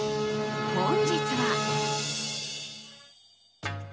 本日は。